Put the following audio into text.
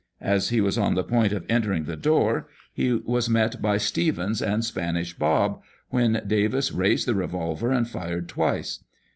As he was on the point of entering the door, he was met by Stevens and Spanish Bob, when Davis raised the revolver and fired twice.